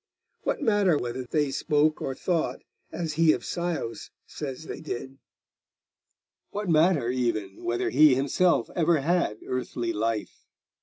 What matter whether they spoke or thought as he of Scios says they did? What matter, even, whether he himself ever had earthly life?